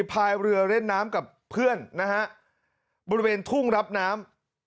พายเรือเล่นน้ำกับเพื่อนนะฮะบริเวณทุ่งรับน้ำ